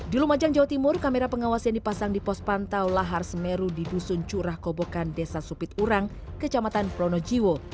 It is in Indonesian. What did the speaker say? di lumajang jawa timur kamera pengawas yang dipasang di pos pantau lahar semeru di dusun curah kobokan desa supiturang kecamatan pronojiwo